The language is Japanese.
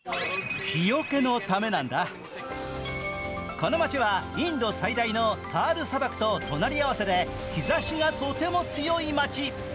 この街はインド最大のタール砂漠と隣り合わせで日ざしがとても強い街。